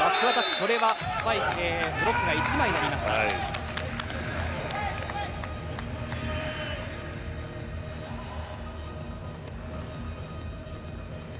これはブロックが１枚になりました。